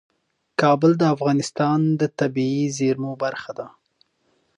کابل د افغانستان د طبیعي زیرمو برخه ده.